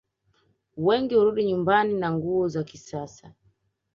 Wengi hurudi nyumbani na nguo za kisasa